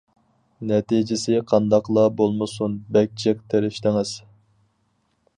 نەتىجىسى قانداقلا بولمىسۇن، بەك جىق تىرىشتىڭىز.